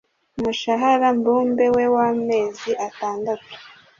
umushahara mbumbe we w amezi atandatu